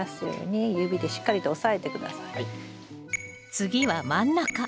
次は真ん中。